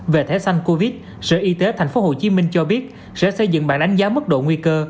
về thẻ xanh covid sở y tế tp hcm cho biết sẽ xây dựng bản đánh giá mức độ nguy cơ